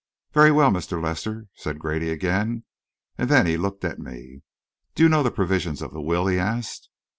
"Very well, Mr. Lester," said Grady again; and then he looked at me. "Do you know the provisions of the will?" he asked.